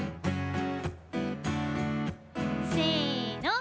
せの。